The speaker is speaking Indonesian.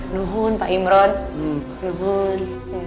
nuhun pak imron nuhun